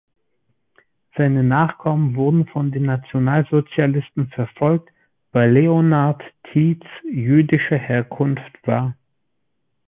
Seine Nachkommen wurden von den Nationalsozialisten verfolgt, weil Leonhard Tietz jüdischer Herkunft war.